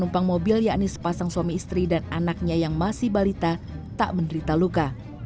pasang suami istri dan anaknya yang masih balita tak menderita luka